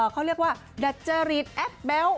เขาเรียกว่าดัจเจอรีดแอฟแบลต์